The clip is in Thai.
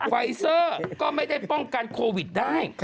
ไฟเซอร์ก็ไม่ได้ป้องกันโควิดได้